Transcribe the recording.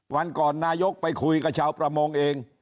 วันก่อนนายกไปคุยกับชาวประมงเอง